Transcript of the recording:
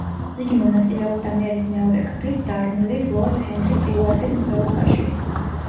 იგი მონაწილეობდა მერის მეორე ქმრის, დარნლის ლორდ ჰენრი სტიუარტის მკვლელობაში.